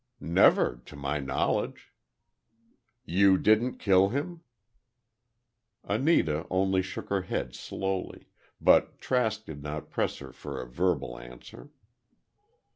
"Never, to my knowledge." "You didn't kill him?" Anita only shook her head slowly, but Trask did not press her for a verbal answer.